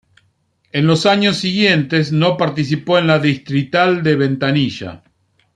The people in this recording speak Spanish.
En los años siguiente no participó en la distrital de Ventanilla.